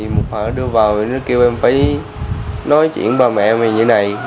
một phần đưa vào thì nó kêu em phải nói chuyện với bà mẹ em như này